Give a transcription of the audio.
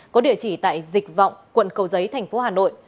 có địa chỉ tại dịch vọng quận cầu giấy thành phố hà nội